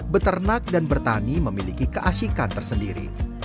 beternak dan bertani memiliki keasikan tersendiri